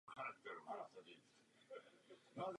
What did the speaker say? Svou vinu na vzpouře přiznal jen částečně.